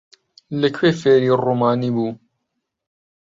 لەکوێ فێری ڕۆمانی بوو؟